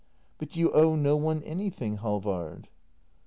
But you owe no one anything, Halvard